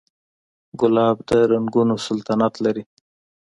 ګلاب د رنګونو سلطنت لري.